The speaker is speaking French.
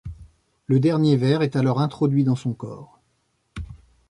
Le dernier ver est alors introduit dans son corps.